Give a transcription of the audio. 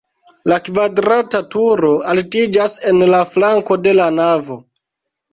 La kvadrata turo altiĝas en flanko de la navo.